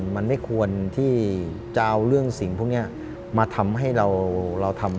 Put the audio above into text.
มันไม่ควรที่จะเอาเรื่องสิ่งพวกนี้มาทำให้เราทำ